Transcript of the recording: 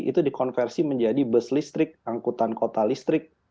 itu dikonversi menjadi bus listrik angkutan kota listrik